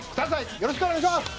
よろしくお願いします！